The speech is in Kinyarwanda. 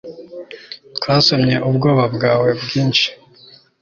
twasomye ubwoba bwawe bwinshi